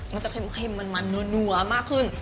มันจะเค็มมันนัวมากขึ้น